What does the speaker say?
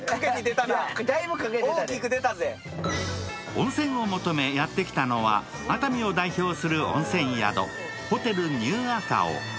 温泉を求めやって来たのは熱海を代表する温泉宿、ホテルニューアカオ。